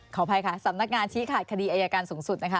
ขออภัยค่ะสำนักงานชี้ขาดคดีอายการสูงสุดนะคะ